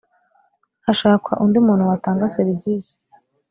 hashakwa undi muntu watanga serivisi